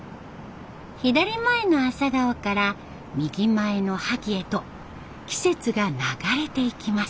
左前の朝顔から右前の萩へと季節が流れていきます。